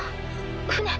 船？